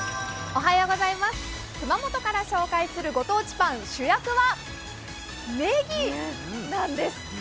熊本からご紹介するご当地パン、主役はねぎなんです。